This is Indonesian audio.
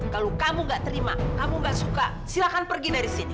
kalau kamu gak terima kamu nggak suka silahkan pergi dari sini